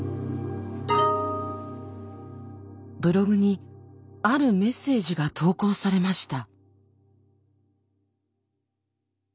ブログにあるメッセージが投稿されました。